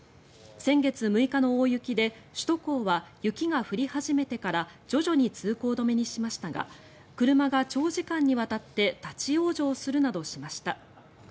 先月６日の大雪で首都高は雪が降り始めてから徐々に通行止めにしましたが車が長時間にわたって立ち往生するなどしました。